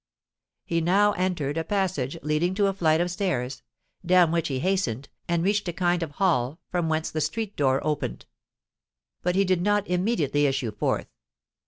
He now entered a passage leading to a flight of stairs; down which he hastened, and reached a kind of hall, from whence the street door opened. But he did not immediately issue forth.